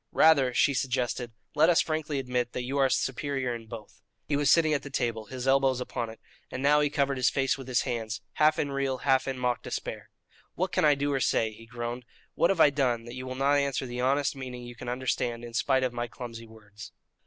"Rather," she suggested, "let us frankly admit that you are the superior in both." He was sitting at the table, his elbows upon it, and now he covered his face with his hands, half in real, half in mock, despair: "What can I do or say?" he groaned. "What have I done that you will not answer the honest meaning you can understand in spite of my clumsy words?"